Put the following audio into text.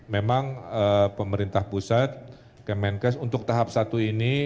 memang pemerintah pusat kemenkes untuk tahap satu ini